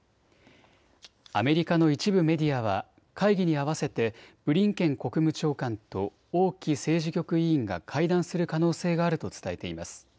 アメリカの一部メディアは会議に合わせてブリンケン国務長官と王毅政治局委員が会談する可能性があると伝えています。